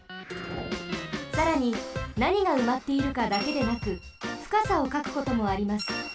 さらになにがうまっているかだけでなくふかさをかくこともあります。